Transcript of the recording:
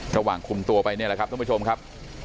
ระหว่างคุมตัวไปเนี่ยแหละครับท่านผู้ชมครับ